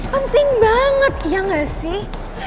penting banget iya gak sih